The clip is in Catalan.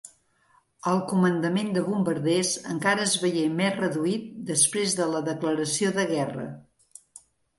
El Comandament de Bombarders encara es veié més reduït després de la declaració de guerra.